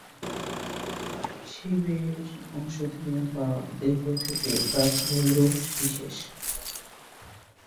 শিবের অংশ থেকে বা দেহ থেকে জাত ভৈরববিশেষ।